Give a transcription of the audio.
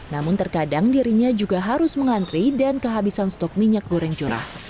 namun terkadang dirinya juga harus mengantri dan kehabisan stok minyak goreng curah